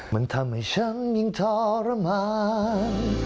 มันทำให้ฉันยังทรมาน